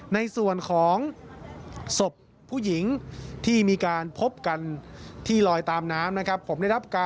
ในส่วนของศพผู้หญิงที่มีการพบกันที่ลอยตามน้ำนะครับ